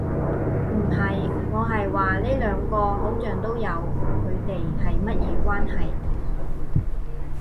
唔係。我係話呢兩個好像都有，佢地係乜嘢關係